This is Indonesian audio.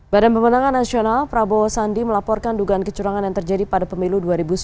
badan pemenangan nasional prabowo sandi melaporkan dugaan kecurangan yang terjadi pada pemilu dua ribu sembilan belas